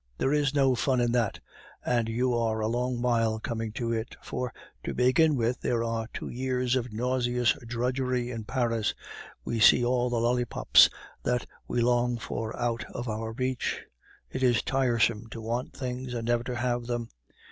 There is no fun in that; and you are a long while coming to it; for, to begin with, there are two years of nauseous drudgery in Paris, we see all the lollipops that we long for out of our reach. It is tiresome to want things and never to have them.